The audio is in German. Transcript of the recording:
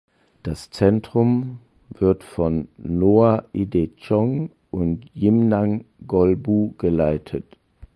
Das Zentrum wird von "Noah Idechong" und "Yimnang Golbuu" geleitet.